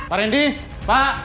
pak rendy pak